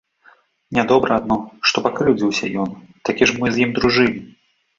Нядобра адно, што пакрыўдзіўся ён, такі ж мы з ім дружылі.